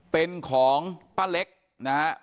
เป็นของป้าเล็กนะฮะ